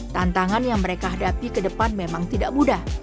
tantangan yang mereka hadapi ke depan memang tidak mudah